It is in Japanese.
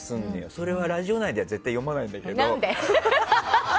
それはラジオ内で絶対読まないんだけど。